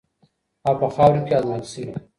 او په خاوره کې ازمویل شوې.